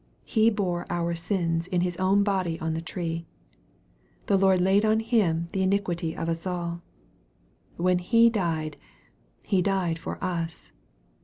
He bore our sins in His own body on the tree. The Lord laid on Him the ini quity of us all. When He died, He died for us.